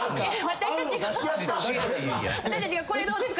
私たちがこれどうですか？